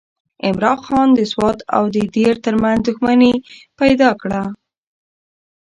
عمرا خان د سوات او دیر ترمنځ دښمني پیدا کړه.